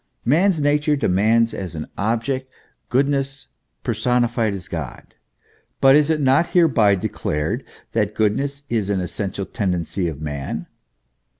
Man's nature demands as an object goodness, personi fied as God; but is it not hereby declared that goodness is an essential tendency of man